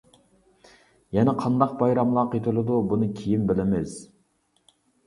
يەنە قانداق بايراملار قېتىلىدۇ بۇنى كىيىن بىلىمىز.